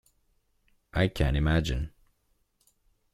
I can't imagine.